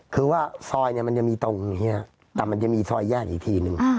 คือว่าซอยมันจะมีตรงอย่างนี้แต่มันจะมีซอยย่างอีกทีหนึ่ง